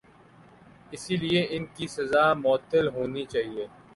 اسی لئے ان کی سزا معطل ہونی چاہیے۔